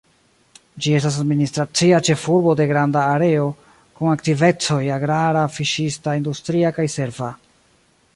Ĝi estas administracia ĉefurbo de granda areo, kun aktivecoj agrara, fiŝista, industria kaj serva.